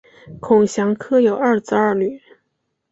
孔祥柯有二子二女